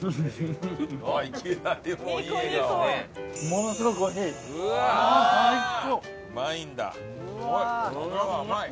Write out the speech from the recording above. ものすごくおいしい。